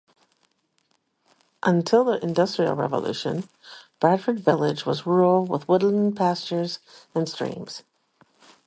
Until the Industrial Revolution, Bradford Village was rural with woodland, pastures and streams.